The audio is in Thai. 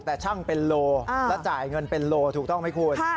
แต่ช่างเป็นโลแล้วจ่ายเงินเป็นโลถูกต้องไหมคุณ